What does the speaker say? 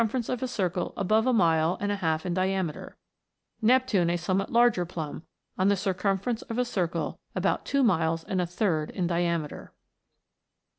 181 ference of a circle above a mile and a half in diameter ; Neptune a somewhat larger plum, on the circum ference of a circle about two miles and a third in diameter.